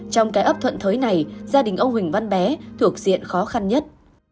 trong cái ấp thuận thới này gia đình ông huỳnh văn bé thuộc diện khó khăn nhất